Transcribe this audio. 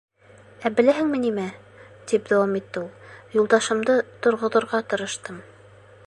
— Ә беләһеңме нимә, — тип дауам итте ул. — Юлдашымды торғоҙорға тырыштым.